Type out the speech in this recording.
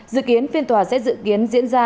dự kiến phiên tòa sẽ dự kiến diễn ra